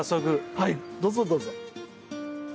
はいどうぞどうぞ。